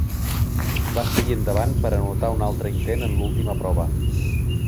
Va seguir endavant per anotar un altre intent en l'última prova.